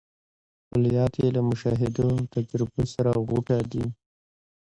کلیات یې له مشاهدو او تجربو سره غوټه دي.